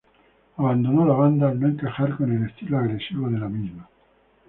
Abandonó la banda al no encajar con el estilo agresivo de la misma.